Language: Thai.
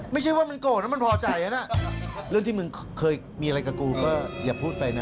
ไม่ใช่ว่ามันโกรธแล้วมันพอใจนะเรื่องที่มึงเคยมีอะไรกับกูก็อย่าพูดไปนะ